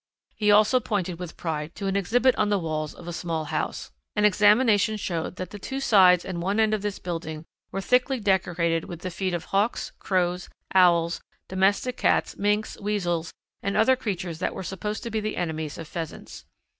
He also pointed with pride to an exhibit on the walls of a small house. An examination showed that the two sides and one end of this building were thickly decorated with the feet of Hawks, Crows, Owls, domestic cats, minks, weasels, and other creatures that were supposed to be the enemies of Pheasants.